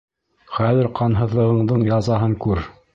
Хәҙер ҡанһыҙлығыңдың язаһын күр!